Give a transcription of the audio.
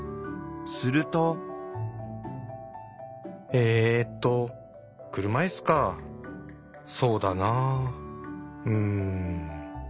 すると「えーと車いすかそうだなぁうん」。